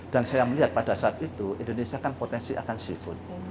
dan saya melihat pada saat itu indonesia kan potensi akan siput